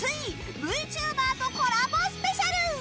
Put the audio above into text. ＶＴｕｂｅｒとコラボスペシャル！